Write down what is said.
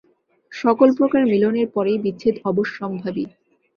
সকল প্রকার মিলনের পরেই বিচ্ছেদ অবশ্যম্ভাবী।